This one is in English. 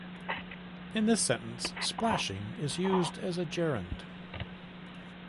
In this sentence, "splashing" is used as a gerund.